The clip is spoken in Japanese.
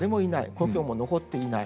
故郷も残っていない。